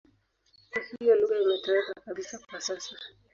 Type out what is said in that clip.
Kwa hiyo lugha imetoweka kabisa kwa sasa.